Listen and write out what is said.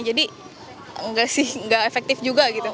jadi nggak sih nggak efektif juga gitu